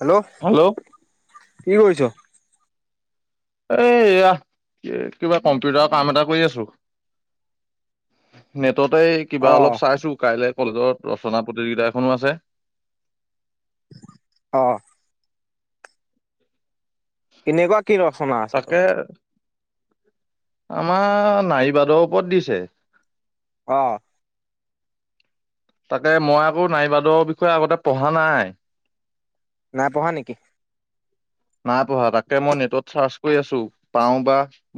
Hello কি কৰিছ? এই এয়া কিবা কম্পিউটাৰ কাম এটা কৰি আছো। নেটতে কিবা অ অলপ চাইছো কাইলৈ কলেজত ৰচনা প্ৰতিযোগিতা এখনো আছে। অ'। কেনেকুৱা কি ৰচনা আছে তোৰ? তাকে আমাৰ নাৰীবাদৰ ওপৰত দিছে। অ'। তাকে মই আকৌ নাৰীবাদৰ বিষয়ে আগতে পঢ়া নাই। নাই পঢ়া নেকি? নাই পঢ়া তাকে মই নেটত চাৰ্চ কৰি আছো পাওঁ বা।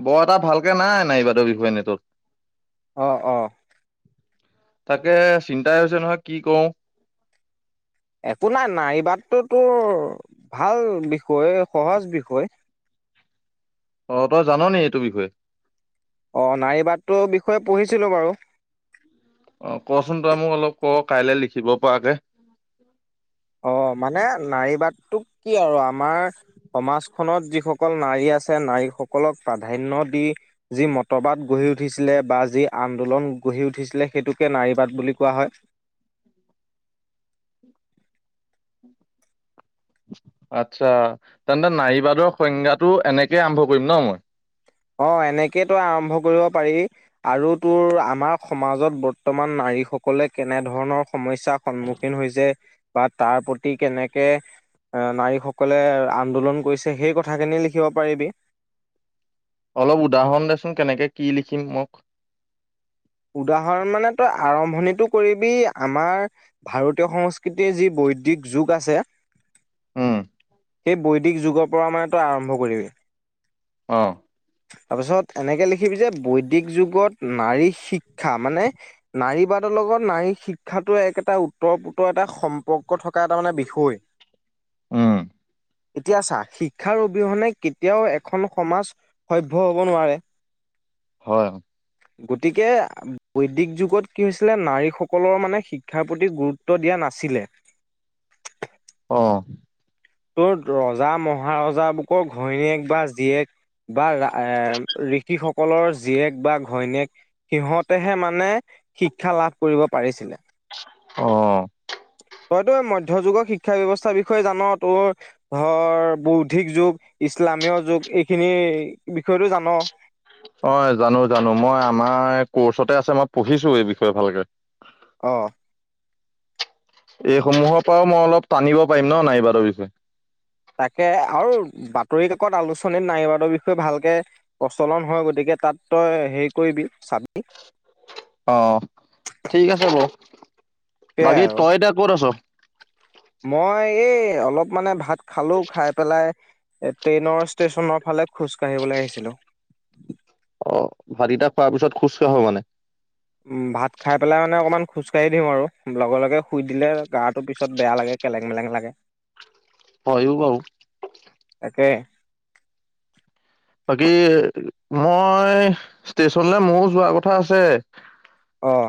বৰ এটা ভালকে নাই নাৰীবাদৰ বিষয়ে নেটত। অ', অ'। তাকে চিন্তাই হৈছে নহয় কৰো। একো নাই নাৰীবাদটো তোৰ ভাল বিষয় সহজ বিষয়। অ', তই জান নেকি এইটো বিষয়ে? অ', নাৰীবাদটোৰ বিষয়ে পঢ়িছিলো বাৰু। অ', কচোন তই মোক অলপ ক কাইলৈ লিখিব পৰাকে। অ', মানে নাৰীবাদটোক কি আৰু আমাৰ সমাজখনত যিসকল নাৰী আছে নাৰীসকলক প্ৰাধান্য দি যি মতবাদ গঢ়ি উঠিছিলে বা যি আন্দোলন গঢ়ি উঠিছিলে সেইটোকে নাৰীবাদ বুলি কোৱা হয়। আচ্ছা তেন্তে নাৰীবাদৰ সংজ্ঞাটো এনেকে আৰম্ভ কৰিম ন মই? অ', এনেকেই তোৰ আৰম্ভ কৰিব পাৰি। আৰু তোৰ আমাৰ সমাজত বৰ্তমান নাৰীসকলে কেনেধৰণৰ সমস্যা সন্মুখীন হৈছে বা তাৰ প্ৰতি কেনেকে এ নাৰীসকলে আন্দোলন কৰিছে সেই কথাখিনি লিখিব পাৰিবি। অলপ উদাহৰণ দেচোন কেনেকে কি লিখিম মোক। উদাহৰণ মানে তই আৰম্ভণিটো কৰিবি আমাৰ ভাৰতীয় সংস্কৃতিৰ যি বৈদিক যুগ আছে। উম। সেই বৈদিক যুগৰ পৰা মানে তই আৰম্ভ কৰিবি। অ'। তাৰপিছত এনেকে লিখিবি যে বৈদিক যুগত নাৰী শিক শিক্ষা মানে নাৰীবাদৰ লগত নাৰী শিক্ষাটো এক এটা ওতঃপ্ৰোত এটা সম্প সম্পৰ্ক থকা এটা মানে বিষয়। উম, এতিয়া চা শিক্ষাৰ অবিহনে কেতিয়াও এখন সমাজ সভ্য হ'ব নোৱাৰে। [inaudible] হয়। গতিকে বৈদিক যুগত কি হৈছিলে নাৰীসকলৰ মানে শিক্ষাৰ প্ৰতি গুৰুত্ব দিয়া নাছিলে। অঁ। তোৰ ৰজা, মহাৰজাবোকৰ ঘৈণীয়েক বা জীয়েক বা ৰা এ ঋষিসকলৰ জীয়েক বা ঘৈণীয়েক সিহঁতেহে মানে শিক্ষা লাভ কৰিব পাৰিছিলে। অঁ। তইতো মধ্যযুগৰ শিক্ষা ব্যৱস্থাৰ বিষয়ে জান তোৰ ধৰ বৌদ্ধিক যুগ, ইছলামীয় যুগ, এইখিনি বিষয়টো জান। অ জানো, জানো, মই আমাৰ ক'ৰ্চতে আছে মই পঢ়িছো এই বিষয়ে ভালকে। অঁ। এইসমূহৰ পৰাও মই অলপ টানিব পাৰিম ন নাৰীবাদৰ বিষয়ে। তাকে আৰু বাতৰি কাকত আলোচনীত নাৰীবাদৰ বিষয়ে ভালকে প্ৰচলন হয় গতিকে তাত তই হেৰি কৰিবি, চাবি। অঁ ঠিক আছে বাৰু, সেয়াই বাকী আৰু তই এতিয়া ক'ত আছ? মই এই অলপ মানে ভাত খালো, খায় পেলাই এ ট্ৰেইনৰ ষ্টেচনৰ ফালে খোজ কাঢ়িবলে আহিছিলো। অ ভাত কেইটা খোৱাৰ পিছত খোজকাঢ় মানে? উম ভাত খায় পেলাই মানে অকণমান খোজ কাঢ়ি দিওঁ আৰু, লগে লগে শুই দিলে গাটো পিছত বেয়া লাগে, কেলেং মেলেং লাগে। হয়ও বাৰু! তাকে। বাকী মই ষ্টেশচনলে মইও যোৱা কথা আছে। অঁ।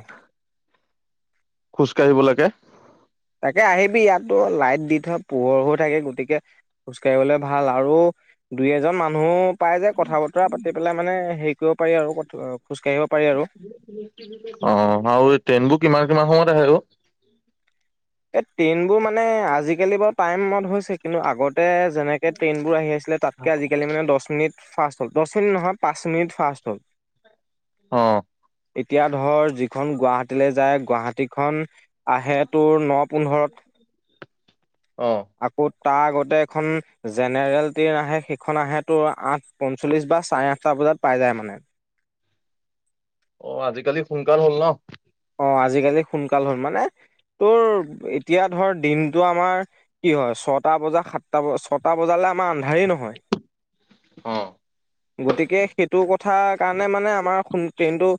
খোজ কাঢ়িব লাগে। তাকে আহিবি ইয়াতো লাইট দি থয়, পোহৰ হৈ থাকে গতিকে খোজ কাঢ়িবলে ভাল আৰু দুই এজন মানুহ পাই যায় কথা বতৰা পাতি পেলাই মানে হেৰি কৰিব পাৰি আৰু অ খোজ কাঢ়িব পাৰি আৰু। অ আৰু ট্ৰেইনবোৰ কিমান কিমান সময়ত আহে ঔ? এই ট্ৰেইনবোৰ মানে আজিকালি বাৰু টাইমত হৈছে, কিন্তু আগত আগতে যেনেকে ট্ৰেইনবোৰ আহি আছিলে, তাতকে আজিকালি মানে দছ মিনিট ফাষ্ট হ'ল, দছ মিনিট নহয় পাঁচ মিনিট ফাষ্ট হ'ল। অঁ। এতিয়া ধৰ যিখন গুৱাহাটীলে যায়, গুৱাহাটীখন আহে তোৰ ন পোন্ধৰত। অ আকৌ তাৰ আগতে এখন জেনেৰেল ট্ৰেইন আহে, সেইখন আহে তোৰ আঠ পঞ্চল্লিশ বা চাৰে আঠটা বজাত পাই যায় মানে। অ আজিকালি সোনকাল হ'ল ন? অ আজিকালি সোনকাল হ'ল, মানে তোৰ এতিয়া ধৰ দিনটো আমাৰ কি হয় ছটা বজা সাতটা বজা ছটা বজালে আমাৰ আন্ধাৰেই নহয়। অঁ। গতিকে সেইটো কথা কাৰণে মানে আমাৰ সোন কিন্তু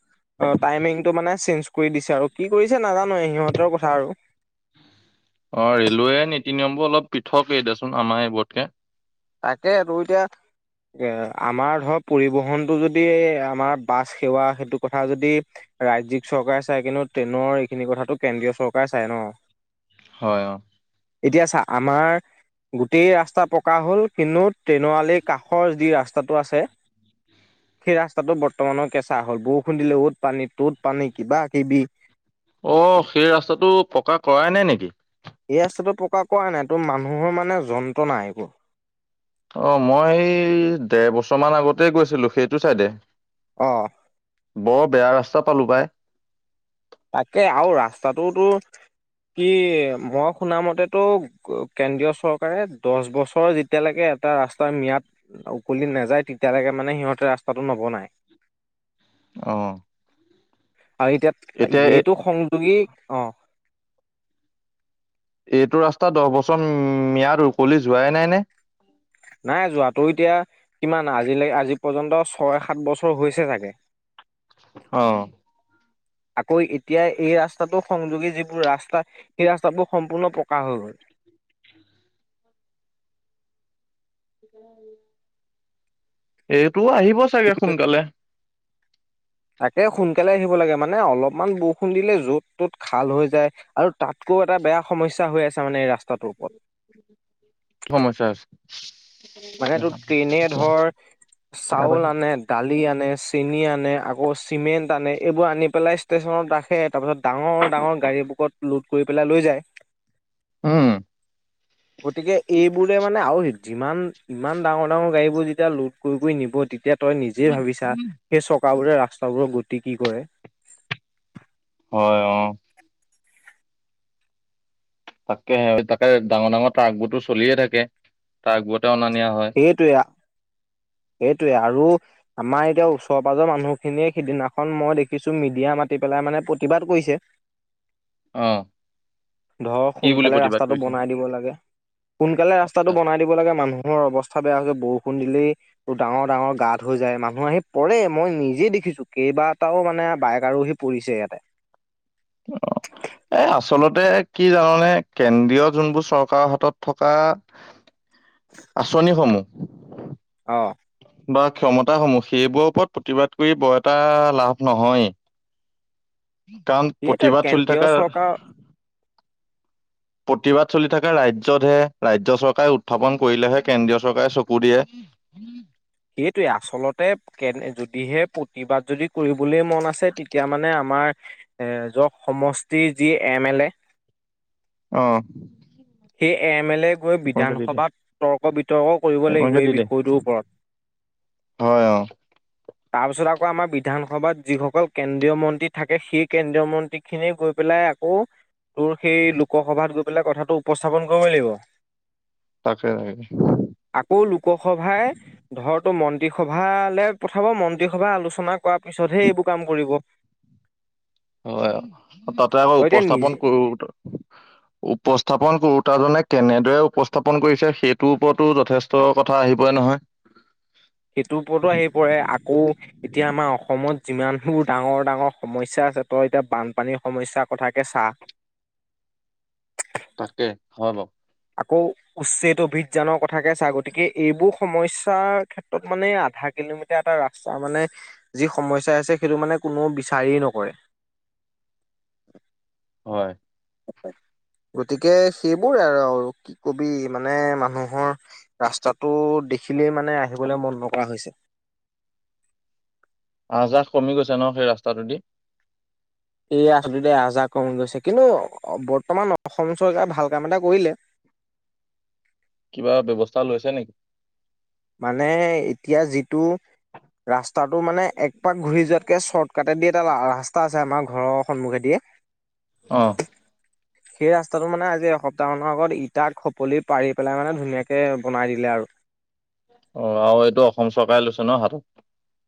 অ টাইমিংটো মানে চেঞ্জ কৰি দিছে আৰু, কি কৰিছে নাজানোৱেই সিহঁতৰ কথা আৰু। অ ৰেলৱে নীতি নিয়মবোৰ অলপ পৃথকেই দেচোন আমাৰ এইবোৰতকে। তাকে তোৰ এতিয়া এ আমাৰ ধৰক পৰিবহণটো যদি আমাৰ বাছ সেৱা সেইটো কথা যদি ৰাজ্যিক চৰকাৰে চাই কিন্তু ট্ৰেনৰ এইখিনি কথাটো কেন্দ্ৰীয় চৰকাৰে চাই ন হয় অ এতিয়া চা আমাৰ গোটেই ৰাস্তা পকা হ'ল কিন্তু ট্ৰেনৰ আলীৰ কাষৰ যি ৰাস্তাটো আছে সেই ৰাস্তাটো বৰ্তমানৰ কেঁচা হ'ল বৰষুণ দিলে অত পানী ত'ত পানী কিবা কিবি অ সেই ৰাস্তাটো পকা কৰাই নাই নেকি এই ৰাস্তাটো পকা কৰা নাই তো মানুহৰ মানে যন্ত্ৰণা এইবোৰ অ মই এই ডেৰ বছৰমান আগতে গৈছিলোঁ সেইটো ছাইডে অ বৰ বেয়া ৰাস্তা পালো পাই তাকে আৰু ৰাস্তাটোতো কি মই শুনা মতেতো কেন্দ্ৰীয় চৰকাৰে দহ বছৰ যিত তেতিয়ালৈকে এটা ৰাস্তাৰ ম্যাদ উকলি নাযায় তেতিয়ালৈকে মানে সিহঁতে ৰাস্তাটো নবনায় অ আও এতিয়া এইটো সংযোগী অ এইটো ৰাস্তা দহ বছৰ ম্যাদ উকলি যোৱাই নাই নে নাই যোৱাটো এতিয়া কিমান আজিলে আজি পৰ্যন্ত ছয় সাত বছৰ হৈছে চাগে [inaudible] অহ [inaudible] আকৌ এতিয়া এই ৰাস্তাটো সংযোগী যিবোৰ ৰাস্তা সেই ৰাস্তাবোৰ সম্পূৰ্ণ পকা হৈ গল [inaudible] এইটো আহিব চাগে সোনকালে তাকে সোনকালে আহিব লাগে মানে অলপমান বৰষুণ দিলে য'ত ত'ত খাল হৈ যায় আৰু তাতকৈ এটা বেয়া সমস্যা হৈ আছে মানে এই ৰাস্তাটোৰ ওপৰত কি সমস্যা হৈছে মানে তোৰ ট্ৰেইনে ধৰ চাউল আনে দালি আনে চেনি আনে আকৌ চিমেণ্ট আনে এইবোৰ আনি পেলাই ষ্টেশচনত ৰাখে তাৰপিছত ডাঙৰ ডাঙৰ গাড়ী বুকত লোড কৰি পেলাই লৈ যায় উম গতিকে এইবোৰে মানে আও যিমান ইমান ডাঙৰ ডাঙৰ গাড়ীবোৰ যেতিয়া লোড কৰি কৰি নিব তেতিয়া তই নিজেই ভাবিছা সেই চকাবোৰে ৰাস্তাবোৰৰ গতি কি কৰে হয় অ' তাকেহে তাকে ডাঙৰ ডাঙৰ ট্ৰগবোৰটো চলিয়ে থাকে ট্ৰগবোৰতে অনা নিয়া হয় সেইটোৱে সেইটোৱেই আৰু আমাৰ এতিয়া ওচৰ পাজৰ মানুহখিনিয়ে সেইদিনাখন মই দেখিছো মিডিয়া মাতি পেলাই মানে প্ৰতিবাদ কৰিছে অ'। ধৰ কি বুলি সোনকালে প্ৰতিবাদ ৰাস্তাটো কৰিছে? বনাই দিব লাগে সোনকালে ৰাস্তাটো আচ্ছা। বনাই দিব লাগে মানুহৰ অৱস্থা বেয়া হৈছে বৰষুণ দিলেই ডাঙৰ ডাঙৰ গাত হৈ যায় মানুহ আহি পৰে মই নিজে দেখিছো কেইবাটাও মানে বাইক আৰুহি পৰিছে ইয়াতে অহ' এ আচলতে কি জানানে কেন্দ্ৰীয় যোনবোৰ চৰকাৰৰ হাতত থকা আচনিসমূহ অ বা ক্ষমতাসমূহ সেইবোৰৰ ওপৰত প্ৰতিবাদ কৰি বৰ এটা লাভ নহয়। সেটোৱে প্ৰতিবাদ চলি কেন্দ্ৰীয় থকা চৰকাৰ প্ৰতিবাদ চলি থাকা ৰাজ্যতহে ৰাজ্য চৰকাৰে উত্থাপন কৰিলেহে কেন্দ্ৰীয় চৰকাৰে চকু দিয়ে। সেইটোৱে আচলতে কেন যদিহে প্ৰতিবাদ যদি কৰিবলৈ মন আছে তেতিয়া মানে আমাৰ এ যক সমষ্টিৰ যি এম এ লে অ। সেই এ মে লে গৈ এইকনকে দি দে বিধানসভাত তৰ্ক বিতৰ্ক কৰিব লাগিব এইকনকে এই দি দে বিষয়টোৰ ওপৰত। [inaudible] হয় অ' তাৰপিছত আকৌ আমাৰ বিধানসভাত যিসকল কেন্দ্ৰীয় মন্ত্ৰী থাকে সেই কেন্দ্ৰীয় মন্ত্ৰীখিনি গৈ পেলাই কৌ তোৰ সেই লোকসভাত গৈ পেলাই কথাটো উপস্থাপন কৰিব লাগিব। তাকেহে। আকৌ লোকসভাই ধৰ তো মন্ত্ৰীসভালৈ পঠাব মন্ত্ৰীসভা আলোচনা কৰা পিছতহে সেইবোৰ কাম কৰিব। হয় তাতে আকৌ তই এতিয়া নিজে উপস্থাপন কৰোত [inaudible] উপস্থাপন কৰোতাজনে কেনেদৰে উপস্থাপন কৰিছে সেইটোৰ ওপৰতো যথেষ্ট ট কথা আহি পৰে নহয়। সেইটোৰ ওপৰতো আহি পৰে, আকৌ এতিয়া আমাৰ অসমত যিমানবোৰ ডাঙৰ ডাঙৰ সমস্যা আছে তই এতিয়া বানপানীৰ সমস্যাৰ কথাকে চা তাকে হয় বাও। আকৌ উচ্ছেদ অভিযানৰ কথাকে চা গতিকে এইবোৰ সমস্যাৰ ক্ষেত্ৰত মানে আধা কিলোমিটাৰ এটা ৰাস্তা মানে যি সমস্যা আছে সেইটো মানে কোনেও বিচাৰি এ নকৰে। হয়। আৰু গতিকে সেইবোৰ আৰু কি কবি মানে মানুহৰ ৰাস্তাটো দেখিলেই মানে আহিবলে মন নকৰা হৈছে। আহ যাহ কমি গৈছে ন সেই ৰাস্তাটোদি? সেয়া আচুতিতে আহ যাহ কমি গৈছে কিন্তু বৰ্তমান অসম চৰকাৰে ভাল কাম এটা কৰিলে। কিবা ব্যৱস্থা লৈছে নেক মানে এতিয়া যিটো ৰাস্তাটো মানে এক পাক ঘূৰি যোৱাতকে চৰ্টকাটে দি এটা ৰাস্ত তা আছে আমাৰ ঘৰৰ সন্মুখেদিয়ে। অ। সেই ৰাস্তাটো মানে আজি এসপ্তাহ মানৰ আগত ইটাক খপলি পাৰি পেলাই মানে ধুনীয়াকে বনাই দিলে আৰ। অ আৰু এইটো অসম চৰকাৰে লৈছে ন হাতত?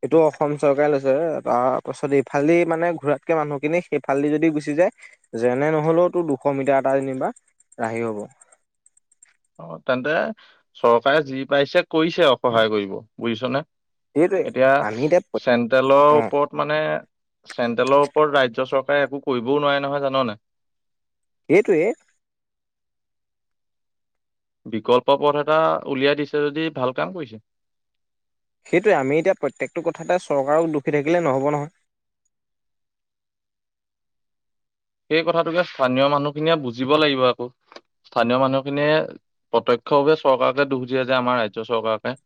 এইটো অসম চৰকাৰে লৈছে তাৰ পাছত এইফালেদি মানে ঘোৰাতকে মানুহখিনি সেইফালেদি যদি গুচি যায়। যেনে নহলেও তো দুশ মিটাৰ এটা যেনিবা ৰাহি হ'ব। অ তেন্তে চৰকাৰে যি পাৰিছে কৰিছে আও সহায় কৰিব বুজিছনে? সেইটোৱে এতিয়া আমি এতিয়া চেন্ট্ৰেলৰ অ ওপৰত মানে চেণ্ট্ৰেলৰ ওপৰত ৰাজ্য চৰকাৰে একো কৰিবও নোৱাৰে নহয় জান নাই? এটোৱে। বিকল্প পথ এটা উলিয়াই দিছে যদি ভাল কাম কৰিছে। সেইটোৱে আমি এতিয়া প্ৰত্যেকটো কথাতে চৰকাৰক দুখী থাকিলে নহ'ব নহয়। সেই কথাটোকে স্থানীয় মানুহখিনিয়ে বুজিব লাগিব আকৌ। স্থানীয় মানুহখিনিয়ে প্ৰত্যক্ষভাৱে চৰকাৰকে দোষ দিয়ে যে আমাৰ ৰাজ্য চৰকাৰকে।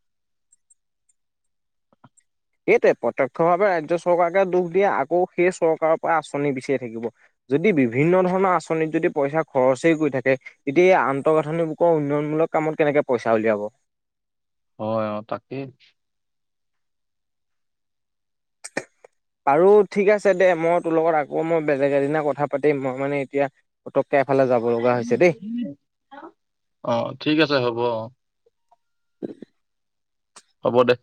সেইটোৱে প্ৰত্যক্ষ ভাৱে ৰাজ্য চৰকাৰকে দোষ দিয়ে, আকৌ সেই চৰকাৰৰ পৰাই আঁচনি বিচাৰি থাকিব। যদি বিভিন্ন ধৰণৰ আঁচনিত যদি পইছা খৰচেই কৰি থাকে। এতিয়া আন্তঃগাঁথনিবোৰক উন্নয়নমূলক কামত কেনেকে পইচা উলিয়াব। হয় অ', তাকেই। আৰু ঠিক আছে দে মই তোৰ লগত আকৌ মই বেলেগ এদিনা কথা পাতিম, মই মানে এতিয়া পটককৈ এফালে যাব লগা হৈছে দেই। অ ঠিক আছে হ'ব অ [inaudible] হ'ব দে